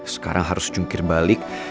sekarang harus jungkir balik